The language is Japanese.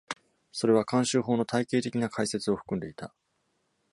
それは慣習法の体系的な解説を含んでいた。